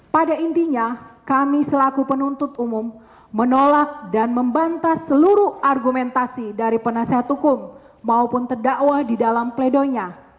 pada intinya kami selaku penuntut umum menolak dan membantah seluruh argumentasi dari penasehat hukum maupun terdakwa di dalam pledoinya